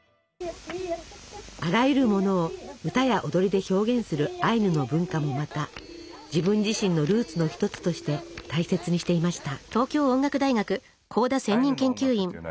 あらゆるものを歌や踊りで表現するアイヌの文化もまた自分自身のルーツの一つとして大切にしていました。